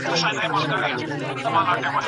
په ناحقه د چا مال مه اخلئ.